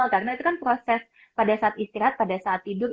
karena itu kan proses pada saat istirahat pada saat tidur